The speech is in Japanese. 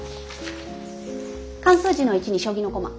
漢数字の一に将棋の駒。